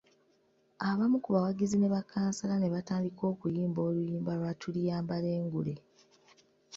Abamu ku bawagizi ne bakkansala ne batandika okuyimba oluyimba lwa Tuliyambala engule .